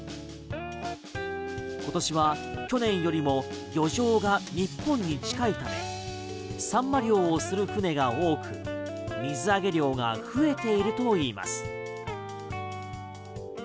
今年は去年よりも漁場が日本に近いためサンマ漁をする船が多く水揚げ量が増えているといいます。